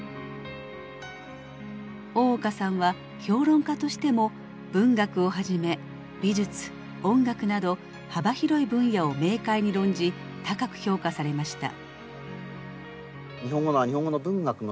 大岡さんは評論家としても文学をはじめ美術音楽など幅広い分野を明快に論じ高く評価されました。